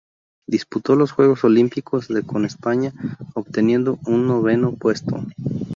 Disputó los Juegos Olímpicos de con España, obteniendo un noveno puesto.